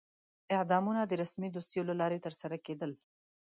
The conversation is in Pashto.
اعدامونه د رسمي دوسیو له لارې ترسره کېدل.